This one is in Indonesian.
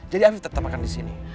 jadi afif tetap akan disini